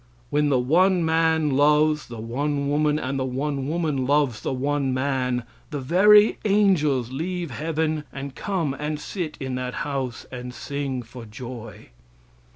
When the one man loves the one woman and the one woman loves the one man, the very angels leave heaven and come and sit in that house and sing for joy."